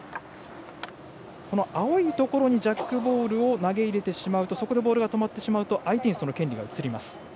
青いところにジャックボールを投げ入れるとそこでボールが止まってしまうと相手にその権利が移ります。